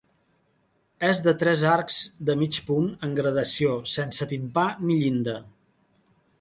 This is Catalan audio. És de tres arcs de mig punt en gradació, sense timpà ni llinda.